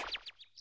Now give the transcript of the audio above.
あ？